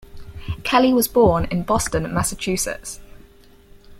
Kelly was born in Boston, Massachusetts.